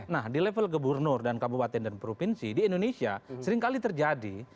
nah di level geburnur dan kabupaten dan provinsi di indonesia seringkali terjadi